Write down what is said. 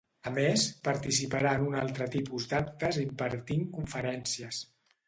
A més, participarà en un altre tipus d'actes impartint conferències.